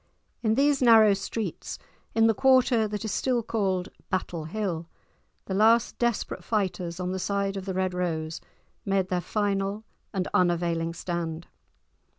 In these narrow streets, in the quarter that is still called Battle Hill, the last desperate fighters on the side of the Red Rose made their final and unavailing stand.